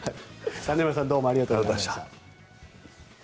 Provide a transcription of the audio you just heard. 金村さんどうもありがとうございました。